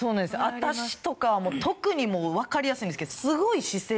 私とかはもう特にわかりやすいんですけど。